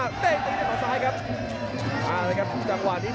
ขวางแขงขวาเจอเททิ้ง